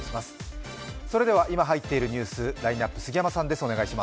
今、入っているニュース、ラインナップ、杉山さんです。